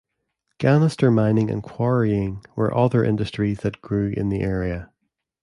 Ganister mining and quarrying were other industries that grew in the area.